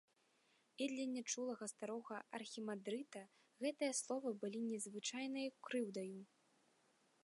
І для нячулага старога архімандрыта гэтыя словы былі незвычайнаю крыўдаю.